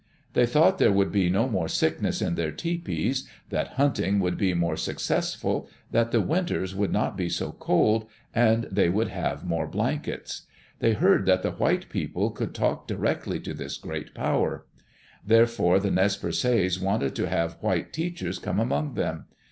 They thought there would be no more sickness in their tepees, that hunting would be more successful, that the winters would not be so cold, and they would have more blankets. They heard that the white people could talk directly to this Great Power, Therefore the Nez Perces wanted to have white teachers come among them.